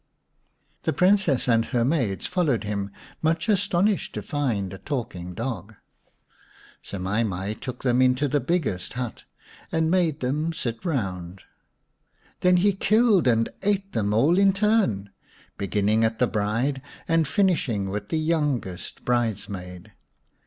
The Princess and her maids followed him, much astonished to find a talking dog. Semai mai took them into the biggest hut and made oo them sit round. Then he killed and ate them all in turn, beginning at the bride and finishing with the youngest bridesmaid.